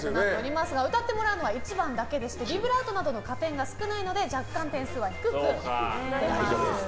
歌ってもらうのは１番だけでしてビブラートなどの加点が少ないので若干、点数は低くなります。